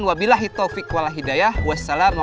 wassalamualaikum warahmatullahi wabarakatuh